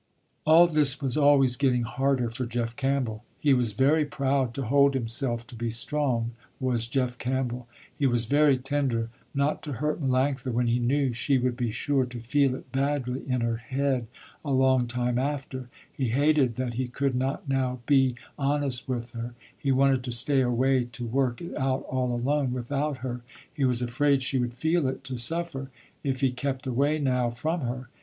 All this was always getting harder for Jeff Campbell. He was very proud to hold himself to be strong, was Jeff Campbell. He was very tender not to hurt Melanctha, when he knew she would be sure to feel it badly in her head a long time after, he hated that he could not now be honest with her, he wanted to stay away to work it out all alone, without her, he was afraid she would feel it to suffer, if he kept away now from her.